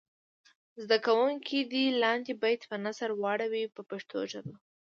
زده کوونکي دې لاندې بیت په نثر واړوي په پښتو ژبه.